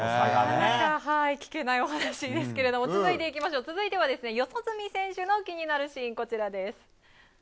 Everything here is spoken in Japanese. なかなか聞けない話ですけど続いては四十住選手の気になるシーンです。